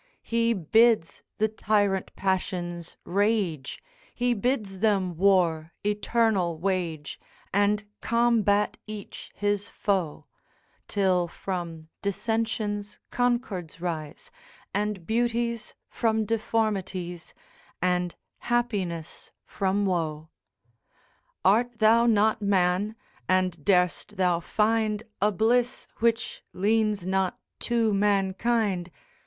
'He bids the tyrant passions rage, He bids them war eternal wage, And combat each his foe: Till from dissensions concords rise, And beauties from deformities, And happiness from woe. 'Art thou not man, and dar'st thou find A bliss which leans not to mankind?